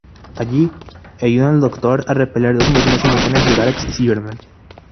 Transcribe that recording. Allí, ayudan al Doctor a repeler dos invasiones simultáneas de Daleks y Cybermen.